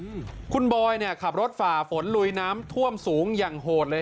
อืมคุณบอยเนี่ยขับรถฝ่าฝนลุยน้ำท่วมสูงอย่างโหดเลย